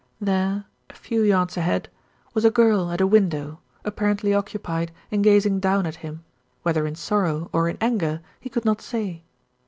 There, a few yards ahead, was a girl at a window, apparently occupied in gazing down at him, whether in sorrow or in anger he could not say.